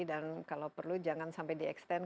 dan kalau perlu jangan sampai di extend